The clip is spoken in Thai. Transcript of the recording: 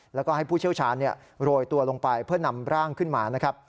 แล้วก็ให้ผู้เชี่ยวชาญโรยตัวลงไปเพื่อนำร่างขึ้นมานะครับ